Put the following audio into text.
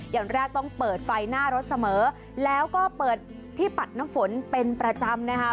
อย่างแรกต้องเปิดไฟหน้ารถเสมอแล้วก็เปิดที่ปัดน้ำฝนเป็นประจำนะคะ